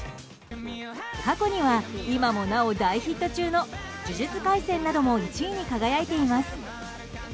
過去には今もなお大ヒット中の「呪術廻戦」なども１位に輝いています。